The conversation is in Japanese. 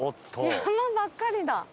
山ばっかりだ。